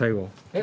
え？